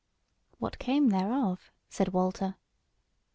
"What came thereof?" said Walter.